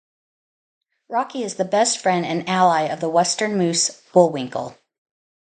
Rocky is the best friend and ally of the western moose, Bullwinkle.